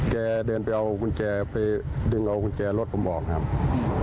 เดินไปเอากุญแจไปดึงเอากุญแจรถผมออกครับ